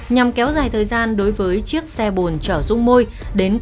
nhằm kéo dài thời gian đối với chiếc xe bồn chở dung môi đến cây xăng huyện đắk gờ long